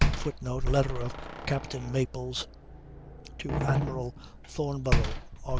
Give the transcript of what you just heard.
[Footnote: Letter of Captain Maples to Admiral Thornborough, Aug.